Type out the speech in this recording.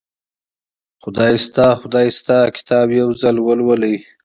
خدای شته خدای شته کتاب یو ځل ولولئ